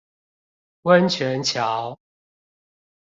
溫泉橋